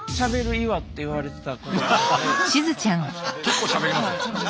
私結構しゃべりますね。